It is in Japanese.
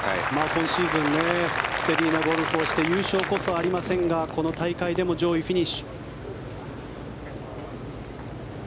今シーズンステディーなゴルフをして優勝こそありませんがこの大会でも上位フィニッシュ。